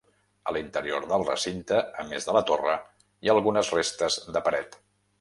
A l'interior del recinte, a més de la torre, hi ha algunes restes de paret.